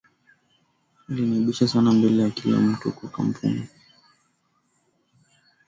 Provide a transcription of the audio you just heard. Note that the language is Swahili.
Aliniaibisha sana mbele ya kila mtu kwa kampuni